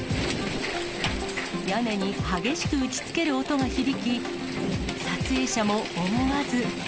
屋根に激しく打ちつける音が響き、撮影者も思わず。